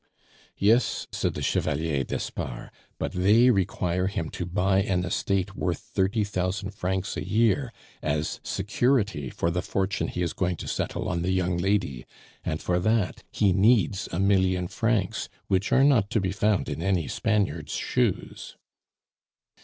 "Yes," said the Chevalier d'Espard, "but they require him to buy an estate worth thirty thousand francs a year as security for the fortune he is to settle on the young lady, and for that he needs a million francs, which are not to be found in any Spaniard's shoes."